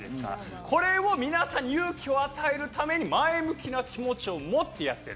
これを皆さんに勇気を与えるために前向きな気持ちを持ってやっている。